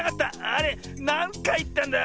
あれなんかいいったんだ？